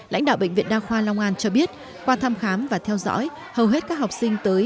lãnh đạo bệnh viện đa khoa long an cho biết qua thăm khám và theo dõi hầu hết các học sinh tới